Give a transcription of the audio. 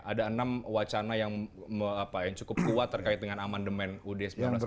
ada enam wacana yang cukup kuat terkait dengan amandemen ud seribu sembilan ratus empat puluh lima